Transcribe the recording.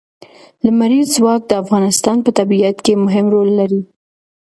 لمریز ځواک د افغانستان په طبیعت کې مهم رول لري.